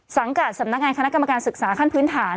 สังกัดสำนักงานคณะกรรมการศึกษาขั้นพื้นฐาน